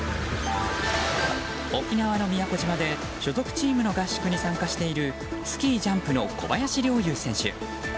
沖縄の宮古島で所属チームの合宿に参加している、スキージャンプの小林陵侑選手。